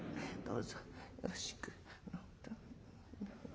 どうぞよろしく』。